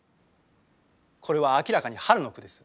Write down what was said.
これは明らかに春の句です。